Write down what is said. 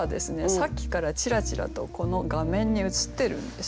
さっきからチラチラとこの画面に映ってるんですね。